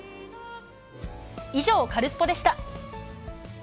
以上、カルスポっ！でした。